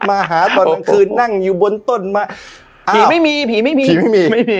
มาหาตอนนังคืนนั่งอยู่บนต้นมาผีไม่มีผีไม่มีไม่มี